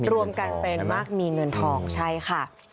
รวมกันเป็นมากมีเงินทองใช่ค่ะ